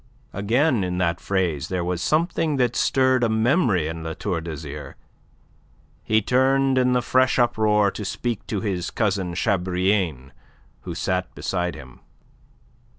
Again in that phrase there was something that stirred a memory in La Tour d'Azyr. He turned in the fresh uproar to speak to his cousin Chabrillane who sat beside him.